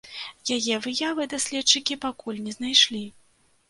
Яе выявы даследчыкі пакуль не знайшлі.